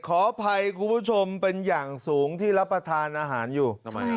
ขออภัยคุณผู้ชมเป็นอย่างสูงที่รับประทานอาหารอยู่